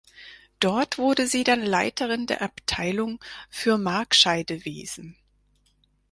Dort wurde sie dann Leiterin der Abteilung für Markscheidewesen.